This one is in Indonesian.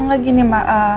atau gak gini mbak